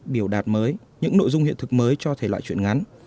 biểu đạt mới những nội dung hiện thực mới cho thể loại chuyện ngắn